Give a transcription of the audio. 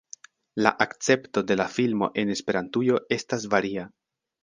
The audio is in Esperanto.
La akcepto de la filmo en Esperantujo estas varia.